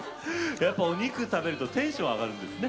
やっぱお肉食べるとテンション上がるんですね。